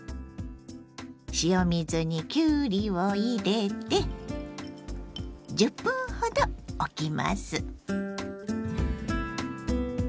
塩水にきゅうりを入れて１０分ほどおきます。